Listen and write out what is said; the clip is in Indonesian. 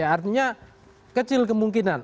artinya kecil kemungkinan